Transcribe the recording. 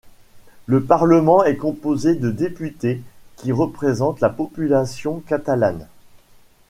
Le Parlement est composé de députés qui représente la population catalane.